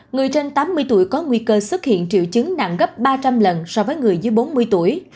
người trên tám mươi tuổi có nguy cơ xuất hiện triệu chứng nặng gấp ba trăm linh lần so với người dưới bốn mươi tuổi